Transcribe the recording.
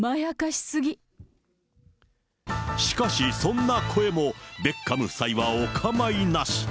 しかし、そんな声も、ベッカム夫妻はお構いなし。